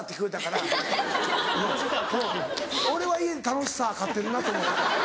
俺は家で楽しさ飼ってるなと思うた。